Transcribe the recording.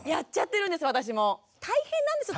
大変なんですよ